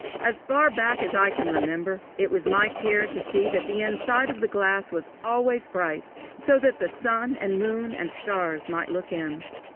As far back as I can remember, it was my care to see that the inside of their glass was always bright, so that sun and moon and stars might look in.